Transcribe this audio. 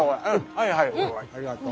はいはいありがとう。